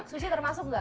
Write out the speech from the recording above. sushi termasuk gak